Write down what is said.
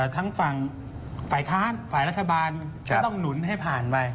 ทั้งฝั่งฝ่ายค้านฝ่ายรัฐบาลก็ต้องหนุนให้ผ่านไป